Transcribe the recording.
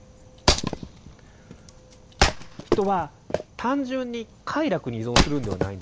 人は単純に快楽に依存するんではないんです。